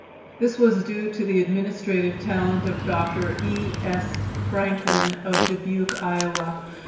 This was due to the administrative talent of Dr. E. S. Franklin, of Dubuque, Ia.